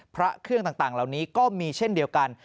พระเครื่องต่างเหล่านี้ก็มีเช่นเดียวกัน